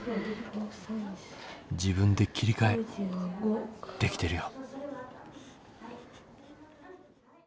自分で切り替えできてるよ。